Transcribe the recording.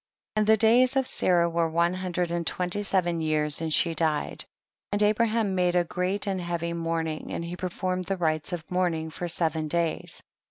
15. And the days of Sarah were one hundred and twenty seven years and she died, and Abraham made a great and heavy mourning, and he performed the rites of mourning for seven days.